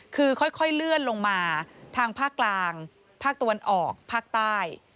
คือค่อยเลื่อนลงมาทางภาคกลางภาคตะวันออกภาคใต้